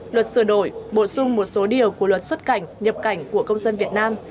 luật sửa đổi bổ sung một số điều của luật xuất cảnh nhập cảnh của công dân việt nam